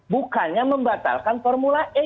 bukannya membatalkan formula e